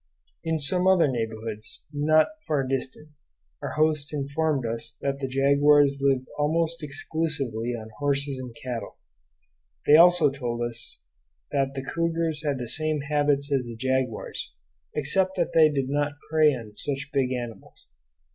In some other neighborhoods, not far distant, our hosts informed us that the jaguars lived almost exclusively on horses and cattle. They also told us that the cougars had the same habits as the jaguars except that they did not prey on such big animals.